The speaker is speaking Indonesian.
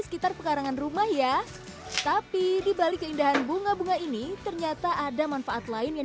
sekitar pekarangan rumah ya tapi dibalik keindahan bunga bunga ini ternyata ada manfaat lain yang